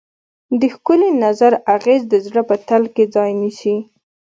د ښکلي نظر اغېز د زړه په تل کې ځای نیسي.